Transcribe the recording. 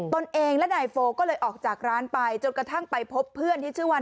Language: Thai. ตนเองและนายโฟก็เลยออกจากร้านไปจนกระทั่งไปพบเพื่อนที่ชื่อว่า